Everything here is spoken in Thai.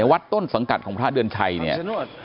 วัดต้นสังกัดของพระเดือนชัยเนี่ย